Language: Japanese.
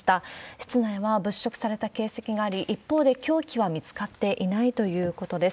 実内は物色された形跡があり、一方で凶器は見つかっていないということです。